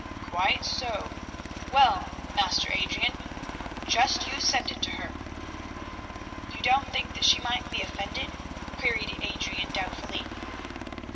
"Quite so. Well, Master Adrian, just you send it to her." "You don't think that she might be offended?" queried Adrian doubtfully.